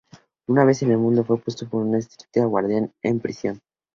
Una vez en el otro mundo fue puesto bajo estricta guardia en una prisión.